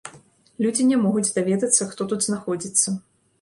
Людзі не могуць даведацца, хто тут знаходзіцца.